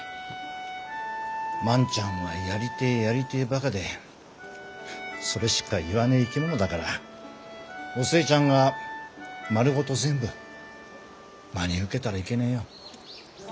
万ちゃんは「やりてえやりてえ」バカでそれしか言わねえ生き物だからお寿恵ちゃんが丸ごと全部真に受けたらいけねえよ。